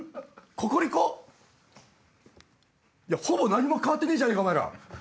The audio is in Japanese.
ココリコ⁉ほぼ何も変わってねえじゃねかお前ら！